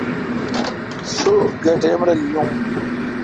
سو گیہ ٹئم رل یوں۔